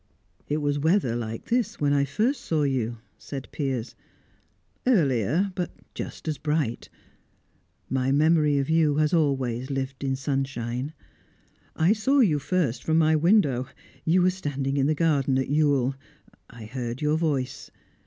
"It was weather like this when I first saw you," said Piers. "Earlier, but just as bright. My memory of you has always lived in sunshine. I saw you first from my window; you were standing in the garden at Ewell; I heard your voice.